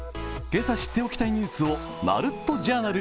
今朝知っておきたいニュースをまるっとジャーナル。